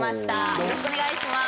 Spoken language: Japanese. よろしくお願いします。